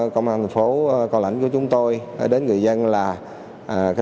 công an phố con lãnh của chúng tôi đến người dân là